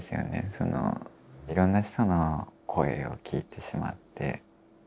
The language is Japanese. そのいろんな人の声を聞いてしまって。